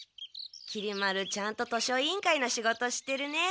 きり丸ちゃんと図書委員会の仕事してるね。